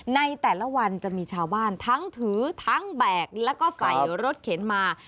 ในแต่ละวันจะมีชาวบ้านทั้งถือทั้งแบกแล้วก็ใส่รถเข็นมา